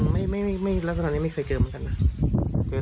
ไม่ลักษณะนี้ไม่เคยเจอเหมือนกันนะ